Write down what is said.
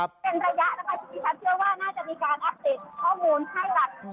เป็นระยะนะคะที่ดิฉันเชื่อว่าน่าจะมีการอัปเดตข้อมูลให้หลัก